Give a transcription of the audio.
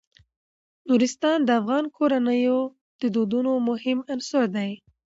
نورستان د افغان کورنیو د دودونو مهم عنصر دی.